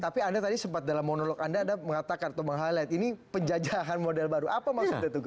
tapi anda tadi sempat dalam monolog anda mengatakan atau menghalen ini penjajahan model baru apa maksudnya itu gus